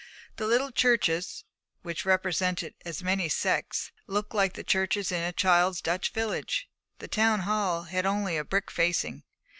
The little churches, which represented as many sects, looked like the churches in a child's Dutch village. The town hall had only a brick facing.